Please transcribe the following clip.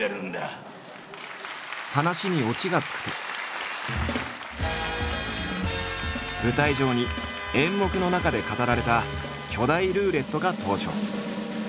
話にオチがつくと舞台上に演目の中で語られた巨大ルーレットが登場。